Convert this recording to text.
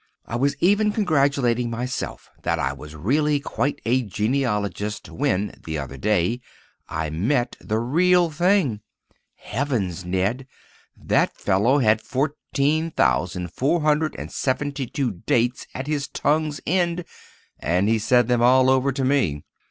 I was even congratulating myself that I was really quite a genealogist when, the other day, I met the real thing. Heavens, Ned, that man had fourteen thousand four hundred and seventy two dates at his tongue's end, and he said them all over to me.